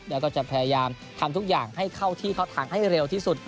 แล้วก็จะพยายามทำทุกอย่างให้เข้าที่เข้าทางให้เร็วที่สุด